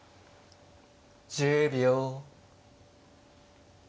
１０秒。